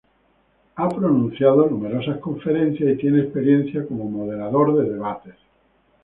Ha pronunciado numerosas conferencias y tiene experiencia como moderador de debates.